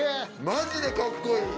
マジでかっこいい。